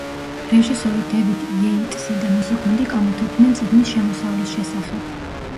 რეჟისორი დევიდ იეიტსი და მისი გუნდი კამათობდნენ წიგნის შესავლის შესახებ.